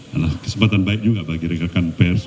adalah kesempatan baik juga bagi rekan rekan pers